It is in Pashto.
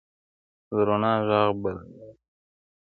د روڼا ږغ بلوي